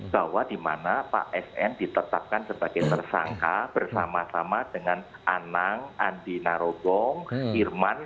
bahwa dimana pak sn ditetapkan sebagai tersangka bersama sama dengan anang andi narodong irman